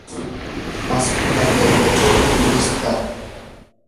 pasco markachawmi yurirqaa.